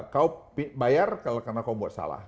kau bayar karena kau buat salah